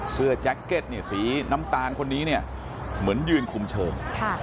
แจ็คเก็ตเนี่ยสีน้ำตาลคนนี้เนี่ยเหมือนยืนคุมเชิง